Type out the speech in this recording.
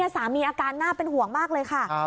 สามีอาการน่าเป็นห่วงมากเลยค่ะ